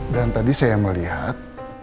dan tadi saya melihat